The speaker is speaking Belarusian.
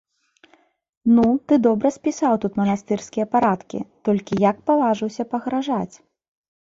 — Ну, ты добра спісаў тут манастырскія парадкі, толькі як паважыўся пагражаць?